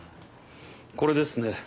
これですね。